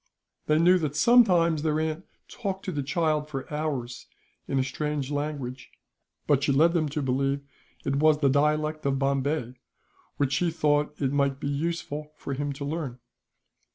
They knew that, sometimes, their aunt talked to the child for hours in a strange language; but she led them to believe it was the dialect of Bombay, which she thought it might be useful for him to learn.